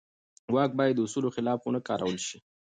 واک باید د اصولو خلاف ونه کارول شي.